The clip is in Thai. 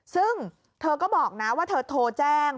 ซึ่งเธอก็บอกนะว่าเธอโทรแจ้ง